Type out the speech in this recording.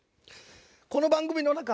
この番組の中